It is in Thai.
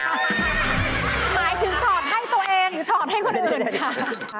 หมายถึงถอดให้ตัวเองหรือถอดให้คนอื่นนะคะ